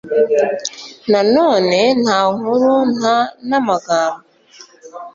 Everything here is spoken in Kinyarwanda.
nanone, nta nkuru, nta n'amagambo